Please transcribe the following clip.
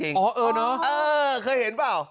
อ๋อเออเนอะเคยเห็นเปล่า